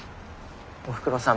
おふくろさん